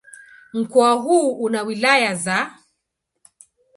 Mkoa huu una wilaya za